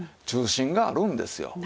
中心があるんですよ